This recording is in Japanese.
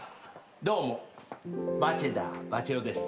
どうもバチェ田バチェ男です。